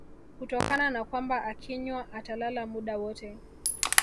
kutokana na kwamba akinywa atalala muda wote